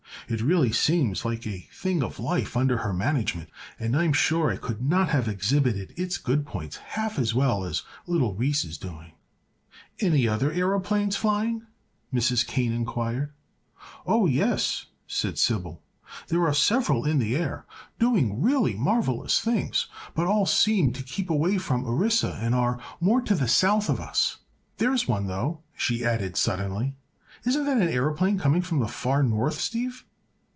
"It really seems like a thing of life under her management, and I am sure I could not have exhibited its good points half as well as little Ris is doing." "Are any other aëroplanes flying?" Mrs. Kane inquired. "Oh, yes," said Sybil. "There are several in the air, doing really marvelous things; but all seem to keep away from Orissa and are more to the south of us. There's one, though!" she added suddenly. "Isn't that an aëroplane coming from the far north, Steve?"